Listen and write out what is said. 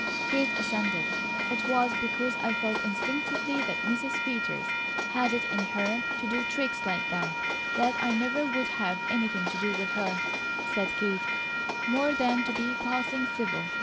Kate assented. "It was because I felt instinctively that Mrs. Peters had it in her to do tricks like that, that I never would have anything to do with her," said Kate, "more than to be passing civil.